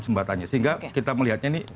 jembatannya sehingga kita melihatnya ini